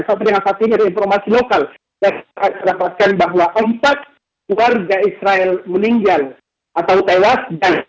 saya ingin mengatakan bahwa empat warga israel meninggal atau tewas